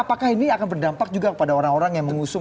apakah ini akan berdampak juga kepada orang orang yang mengusung